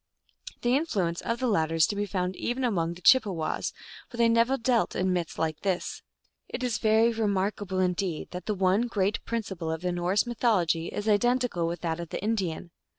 The influence of the latter is to be found even among the Chippewas, but they never dealt in myths like this. It is very remarkable indeed that the one great principle of the Norse mythology is identical with that of the Indian.